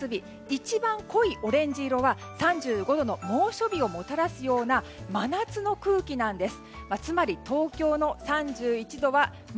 一番濃いオレンジ色は３５度の猛暑日をもたらすような真夏の空気なんです。